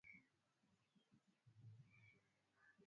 yatekelezwa kwa vitendo katika nchi hiyo na tayari